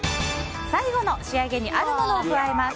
最後の仕上げにあるものを加えます。